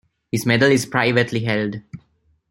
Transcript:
His medal is privately held.